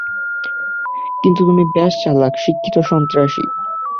কিন্তু তুমি বেশ চালাক, শিক্ষিত সন্ত্রাসী।